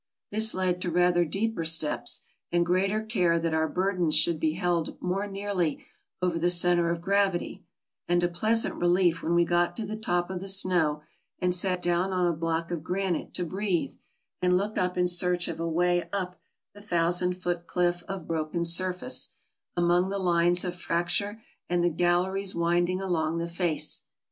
This led to rather deeper steps, and greater care that our burdens should be held more nearly over the center of gravity, and a pleasant relief when we got to the top of the snow and sat down on a block of granite to breathe and look up in search of a way up the thousand foot cliff of broken surface, among the lines of fracture and the galleries winding along the face.